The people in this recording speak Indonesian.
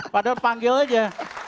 padahal panggil aja